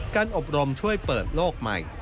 การอบรมช่วยเปิดโลกใหม่